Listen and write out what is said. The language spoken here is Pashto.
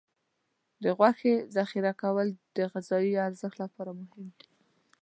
د غوښې ذخیره کول د غذايي ارزښت لپاره مهم دي.